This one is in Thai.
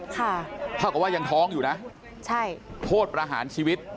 ค่ะเท่ากับว่ายังท้องอยู่นะใช่โทษประหารชีวิต